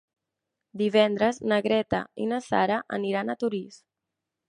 Divendres na Greta i na Sara aniran a Torís.